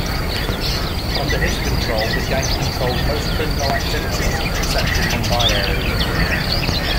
Under his control the gang controlled most criminal activities in the central Mumbai areas.